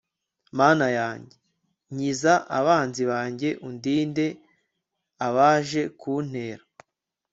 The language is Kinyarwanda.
mana yanjye, nkiza abanzi banjye, undinde abaje kuntera